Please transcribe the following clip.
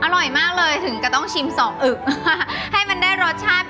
อร่อยมากเลยถึงก็ต้องชิมสองอึกให้มันได้รสชาติ